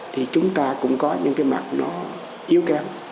thì chúng ta cũng có những cái mặt nó yếu kém